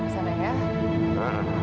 saya segera kesana ya